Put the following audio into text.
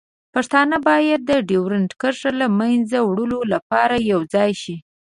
پښتانه باید د ډیورنډ کرښې له منځه وړلو لپاره یوځای شي.